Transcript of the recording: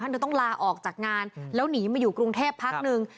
เธอต้องลาออกจากงานแล้วหนีมาอยู่กรุงเทพพักนึง